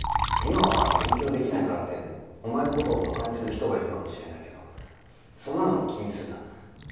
今は勉強できないからってお前の事をバカにする人がいるかもしれないけどそんなのは気にするな。